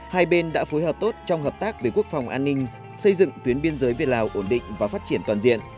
hai bên đã phối hợp tốt trong hợp tác về quốc phòng an ninh xây dựng tuyến biên giới việt lào ổn định và phát triển toàn diện